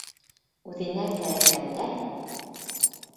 Үҙенә кәрәккәндә.